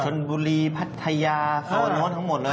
จนบุรีพัทยาภาคตะวันออกทั้งหมดเลย